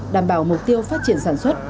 đảm bảo mục tiêu phát triển sản xuất